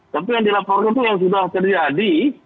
tapi yang dilaporkan itu yang sudah terjadi